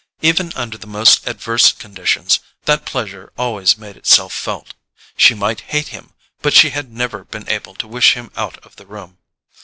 Even under the most adverse conditions, that pleasure always made itself felt: she might hate him, but she had never been able to wish him out of the room.